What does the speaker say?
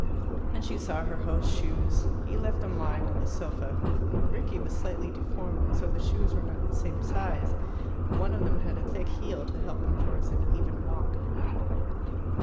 Then she saw her host's shoes: he had left them lying on the sofa. Rickie was slightly deformed, and so the shoes were not the same size, and one of them had a thick heel to help him towards an even walk.